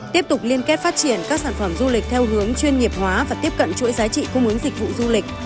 tiếp tục liên kết phát triển các sản phẩm du lịch theo hướng chuyên nghiệp hóa và tiếp cận chuỗi giá trị cung ứng dịch vụ du lịch